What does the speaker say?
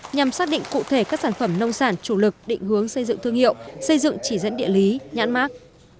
nhằm xác định cụ thể các sản phẩm nông sản chủ lực định hướng xây dựng thương hiệu xây dựng chỉ dẫn địa lý nhãn mát